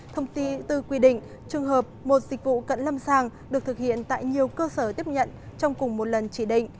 thông tư tư quy định trường hợp một dịch vụ cận lâm sàng được thực hiện tại nhiều cơ sở tiếp nhận trong cùng một lần chỉ định